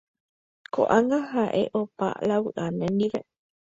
Ko'ág̃a ae opa la vy'a nendive.